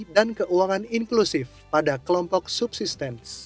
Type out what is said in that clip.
dan keuangan inklusif pada kelompok subsistens